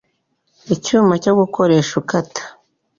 Icyuma cyo gukoresha ukata